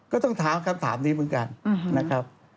ก็ต้องถามคำถามนี้เหมือนกันนะครับ